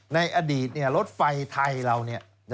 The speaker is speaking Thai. ในอดีตเนี่ยรถไฟไทยเราเนี่ย